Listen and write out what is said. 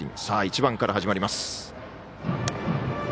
さあ、１番から始まります。